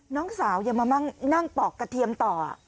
น้องสาวยังมานั่งปอกกระเทียมต่อ